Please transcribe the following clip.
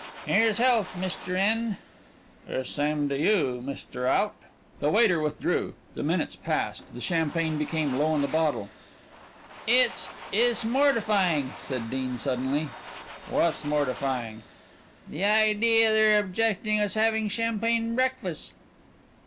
"Here's health, Mr. In." "Here's same to you, Mr. Out." The waiter withdrew; the minutes passed; the champagne became low in the bottle. "It's it's mortifying," said Dean suddenly. "Wha's mortifying?" "The idea their objecting us having champagne breakfast."